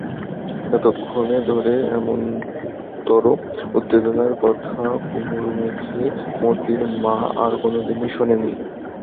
এতক্ষণ ধরে এমনতরো উত্তেজনার কথা কুমুর মুখে মোতির মা আর-কোনোদিন শোনে নি।